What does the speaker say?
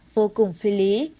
vô cùng phi lý